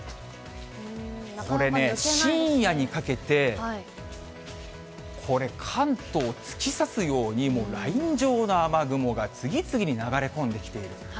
これね、深夜にかけて、これ、関東突き刺すように、もうライン状の雨雲が次々に流れ込んできている。